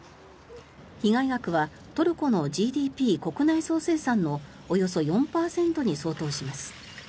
被害額はトルコのＧＤＰ・国内総生産のおよそ４％に相当します。